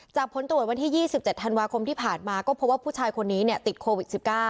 ผลตรวจวันที่๒๗ธันวาคมที่ผ่านมาก็พบว่าผู้ชายคนนี้ติดโควิด๑๙